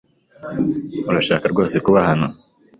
Urashaka rwose kuba hano?